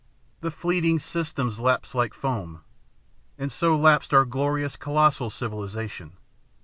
'The fleeting systems lapse like foam,' and so lapsed our glorious, colossal civilization.